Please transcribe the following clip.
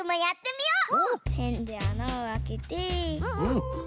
ペンであなをあけて。